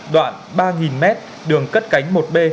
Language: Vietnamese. đoạn ba m đường cất cánh một b